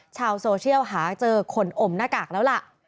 ชาวโซเชียลหาเจอคนอมหน้ากากแล้วล่ะ